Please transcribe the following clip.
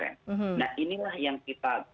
nah inilah yang kita